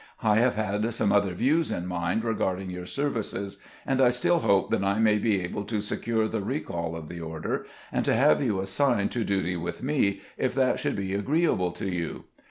I have had some other views in mind regarding your services, and I stiU hope that I may be able to secure the recall of the order, and to have you assigned to duty with me, if that would be agreeable to you."